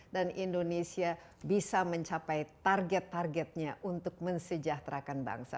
dan indonesia bisa mencapai target targetnya untuk mensejahterakan bangsa